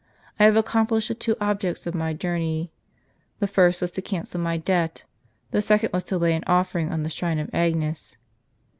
I have accomplished the two objects of my journey. The first was to cancel my debt ; my second was to lay an offering on the shrine of Agnes.